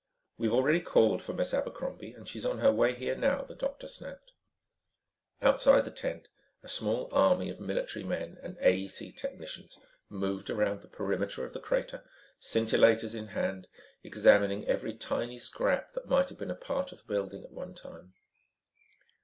"We've already called for Miss Abercrombie and she's on her way here now," the doctor snapped. Outside the tent, a small army of military men and AEC technicians moved around the perimeter of the crater, scintillators in hand, examining every tiny scrap that might have been a part of the building at one time.